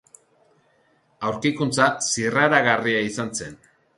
Aurkikuntza zirraragarria izan zen.